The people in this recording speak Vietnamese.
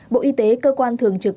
bộ y tế cơ quan thường trực